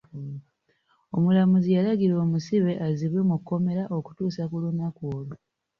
Omulamuzi yalagira omusibe azzibwe mu kkomera okutuusa ku lunaku olwo.